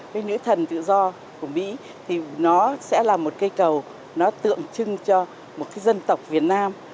cái nghĩa thần tự do của mỹ thì nó sẽ là một cây cầu nó tượng trưng cho một cái dân tộc việt nam